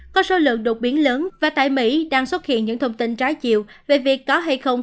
có số lượng đột biến lớn và tại mỹ đang xuất hiện những thông tin trái chiều về việc có hay không